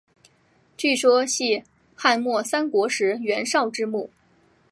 据说系汉末三国时袁绍之墓。